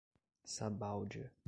Sabáudia